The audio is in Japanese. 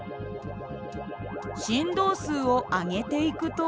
振動数を上げていくと。